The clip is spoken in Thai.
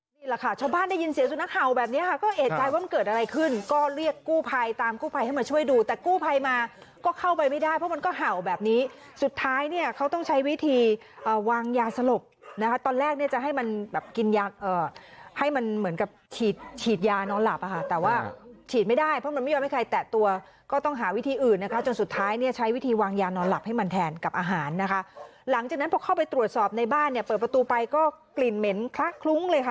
นี่แหละค่ะชาวบ้านได้ยินเสียสุนัขเห่าแบบนี้ค่ะก็เอกใจว่ามันเกิดอะไรขึ้นก็เรียกกู้ภัยตามกู้ภัยให้มันช่วยดูแต่กู้ภัยมาก็เข้าไปไม่ได้เพราะมันก็เห่าแบบนี้สุดท้ายเนี่ยเขาต้องใช้วิธีวางยาสลบนะคะตอนแรกเนี่ยจะให้มันแบบกินยักษ์ให้มันเหมือนกับฉีดยานอนหลับค่ะแต่ว่าฉีดไม่ได้เพร